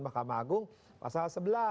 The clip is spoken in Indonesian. mahkamah agung pasal sebelas